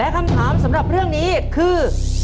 คำถามสำหรับเรื่องนี้คือ